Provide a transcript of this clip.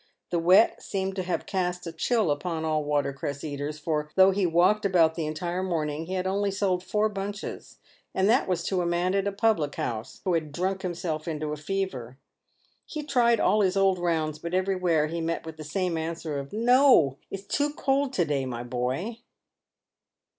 The wet seemed to have cast a chill upon all water cress eaters, for though he walked, about the entire morning, he had only sold four bunches, and that was to a man at a public house, who had drunk himself into a fever. He tried all his old " rounds," bat everywhere he met with the same answer of " No ! it's too cold to day, my boy."